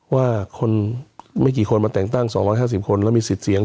ว่าคนไม่กี่คนมาแต่งตั้ง๒๕๐คนแล้วมีสิทธิ์เสียง